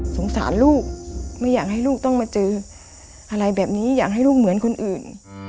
สงสารลูกไม่อยากให้ลูกต้องมาเจออะไรแบบนี้อยากให้ลูกเหมือนคนอื่น